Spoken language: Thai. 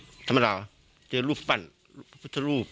ก็ไม่ธรรมดาเจอรูปฝั่งรูปแล้วก็สะพานอะไรแค่เนี้ย